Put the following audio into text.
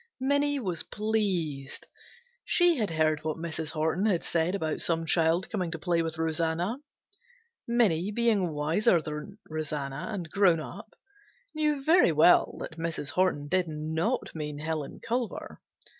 Minnie was pleased. She had heard what Mrs. Horton had said about some child coming to play with Rosanna. Minnie being wiser than Rosanna and grown up, knew very well that Mrs. Horton did not mean Helen Culver.